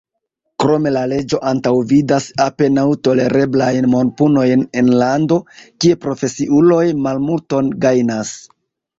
Krome la leĝo antaŭvidas apenaŭ tolereblajn monpunojn en lando, kie profesiuloj malmulton gajnas.